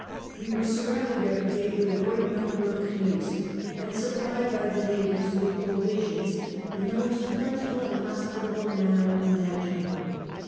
We were surrounded every day with a great number of XI GILBERTS STORY 157 canoes, and supplied by the natives with provisions in the most jdentiiul and hospitable manner imaginable.